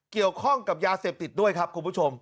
เกี่ยวข้องกับยาเสพติดด้วยครับคุณผู้ชม